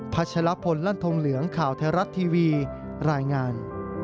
ัชลพลลั่นทงเหลืองข่าวไทยรัฐทีวีรายงาน